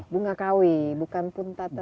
bunga kawi bukan puntat tadi ya